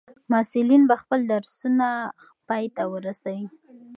محصلین به خپل درسونه پای ته ورسوي.